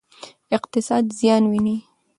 اقتصاد زیان ویني.